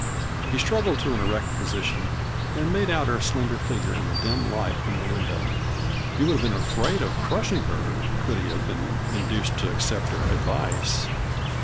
He struggled to an erect position and made out her slender figure in the dim light from the window. He would have been afraid of crushing her could he have been induced to accept her advice.